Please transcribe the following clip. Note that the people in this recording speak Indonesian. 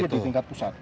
tapi di tingkat pusat